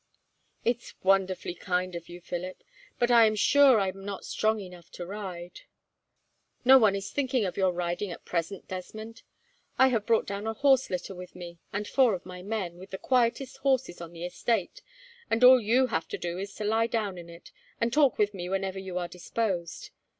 "It is wonderfully kind of you, Philip; but I am sure I am not strong enough to ride." "No one is thinking of your riding, at present, Desmond. I have brought down a horse litter with me, and four of my men, with the quietest horses on the estate, and all you have to do is to lie down in it, and talk with me whenever you are disposed.